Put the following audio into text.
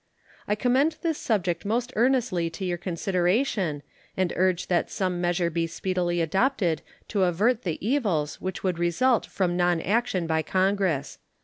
I commend this subject most earnestly to your consideration, and urge that some measure be speedily adopted to avert the evils which would result from nonaction by Congress.